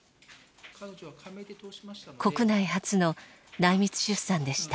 国内初の「内密出産」でした。